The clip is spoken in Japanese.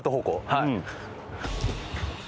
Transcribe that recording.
はい。